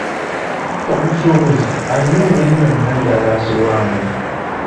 Omusuubuzi alina engeri yonna gy'ataasibwamu?